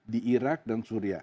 di irak dan syria